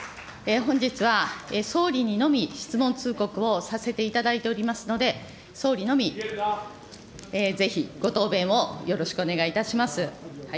本日は総理にのみ質問通告をさせていただいておりますので、総理のみぜひご答弁をよろしくお願いいたします。